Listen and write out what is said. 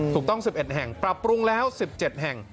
ถูกต้อง๑๑แห่งปรับปรุงแล้ว๑๗แห่ง